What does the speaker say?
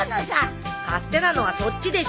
勝手なのはそっちでしょ！